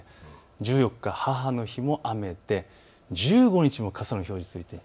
１４日、母の日も雨で１５日も傘の表示がついている。